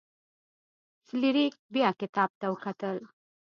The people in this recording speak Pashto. فلیریک بیا کتاب ته وکتل.